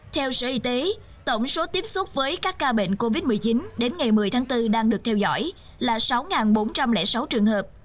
theo sở y tế tổng số tiếp xúc với các ca bệnh covid một mươi chín đến ngày một mươi tháng bốn đang được theo dõi là sáu bốn trăm linh sáu trường hợp